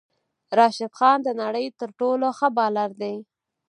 راشد خان د نړی تر ټولو ښه بالر دی